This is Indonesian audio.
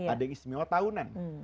ada yang istimewa tahunan